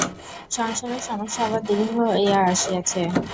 সংসারের সমস্যা আবার দুরূহ হইয়া আসিয়াছে।